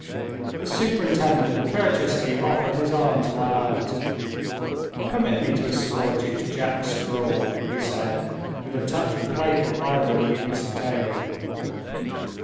The superintendent courteously offered his arm to my aunt. "Permit me to escort you to Jack Straw," he said, with a touch of playful irony in his tone.